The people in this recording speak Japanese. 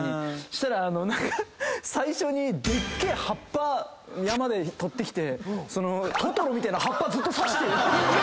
したら最初にでっけえ葉っぱ山で取ってきてそのトトロみてえな葉っぱずっと差して。